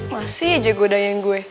masih aja godain gue